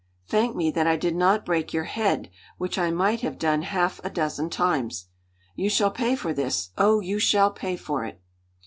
"Thank me that I did not break your head, which I might have done half a dozen times!" "You shall pay for this! Oh, you shall pay for it!"